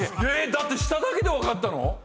だって下だけで分かったの？